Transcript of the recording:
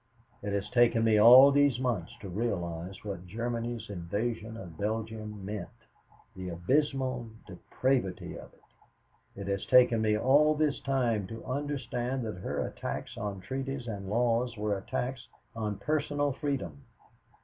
"It has taken me all these months to realize what Germany's invasion of Belgium meant, the abysmal depravity of it. It has taken me all this time to understand that her attacks on treaties and laws were attacks on personal freedom.